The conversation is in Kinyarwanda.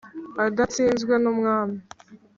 adatsinzwe n’umwami